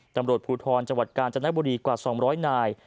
ตำรวจภูทรจังหวัดกาญจนบุรีกว่า๒๐๐นาย